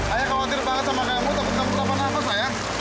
ayah khawatir banget sama kamu takut kamu takut nafas ayah